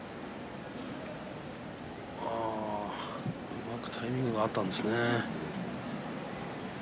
うまくタイミングが合ったんですね。